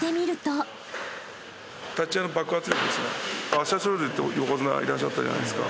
朝青龍って横綱いらっしゃったじゃないですか。